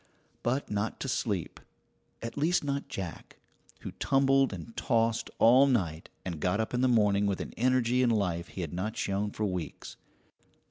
But not to sleep at least not Jack, who tumbled and tossed all night and got up in the morning with an energy and life he had not shown for weeks.